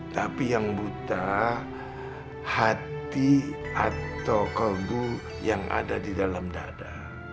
tapi yang buta hati atau kebu yang ada di dalam dada